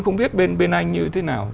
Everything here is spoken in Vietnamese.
không biết bên anh như thế nào